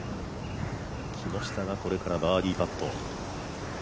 木下がこれからバーディーパット。